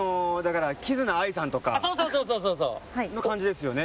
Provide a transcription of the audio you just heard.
キズナアイさんとかの感じですよね。